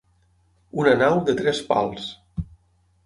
Una nau de tres pals.